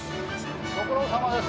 ご苦労さまです。